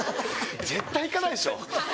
絶対行かないでしょ。